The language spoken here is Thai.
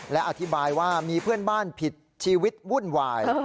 และอธิบายว่ามีเพื่อนบ้านผิดชีวิตวุ่นวาย